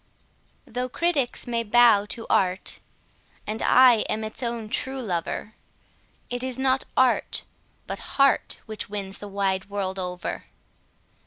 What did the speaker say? Though critics may bow to art, and I am its own true lover, It is not art, but heart, which wins the wide world over.